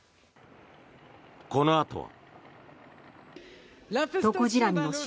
このあとは。